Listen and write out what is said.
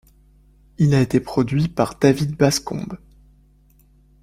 Il a été produit par David Bascombe.